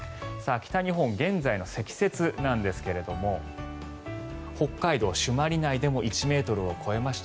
北日本、現在の積雪なんですが北海道朱鞠内でも１ｍを超えました。